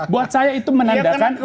buat saya itu menandakan